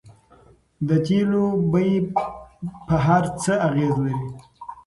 د تیلو بیې په هر څه اغیز لري.